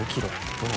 どう？